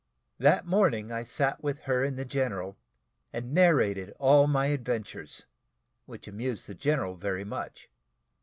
That morning I sat with her and the general, and narrated all my adventures, which amused the general very much.